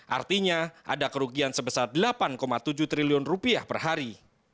artinya ada kerugian sebesar delapan tujuh triliun rupiah per hari